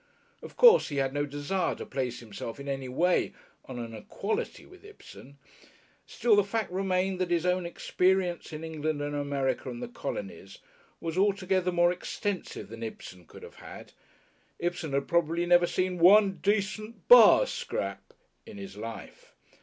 Of course he had no desire to place himself in any way on an equality with Ibsen; still the fact remained that his own experience in England and America and the colonies was altogether more extensive than Ibsen could have had. Ibsen had probably never seen "one decent bar scrap" in his life.